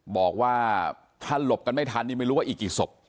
บอกว่าถ้าหลบกันไม่ทันนี่ไม่รู้ว่าอีกกี่ศพ